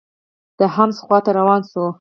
د حمص خوا ته روان شو.